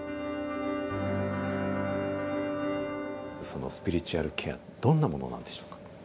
そのスピリチュアルケアどんなものなんでしょうか？